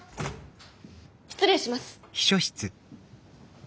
失礼します。